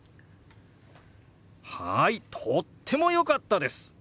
はいとっても良かったです！